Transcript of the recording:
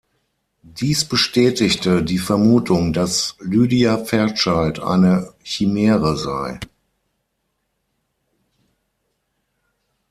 Dies bestätigte die Vermutung, dass Lydia Fairchild eine Chimäre sei.